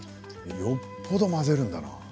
よっぽど混ぜるんだな。